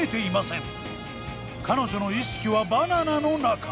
彼女の意識はバナナの中。